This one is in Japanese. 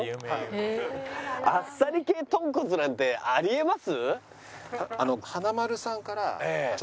あっさり系とんこつなんてありえます？